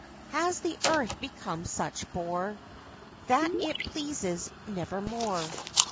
Has the earth become such bore That it pleases nevermore?